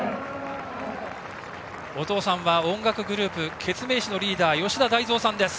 お父さんは音楽グループケツメイシのリーダーです。